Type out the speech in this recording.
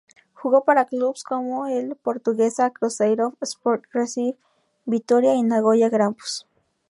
Jugó para clubes como el Portuguesa, Cruzeiro, Sport Recife, Vitória y Nagoya Grampus.